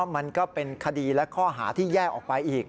มันก็เป็นคดีและข้อหาที่แยกออกไปอีก